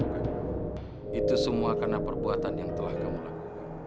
tapi semua perbuatan yang telah saya lakukan